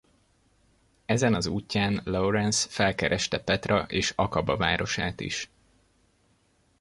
Ezen az útján Lawrence felkereste Petra és Akaba városát is.